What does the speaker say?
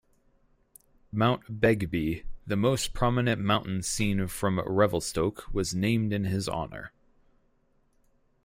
Mount Begbie, the most prominent mountain seen from Revelstoke, was named in his honor.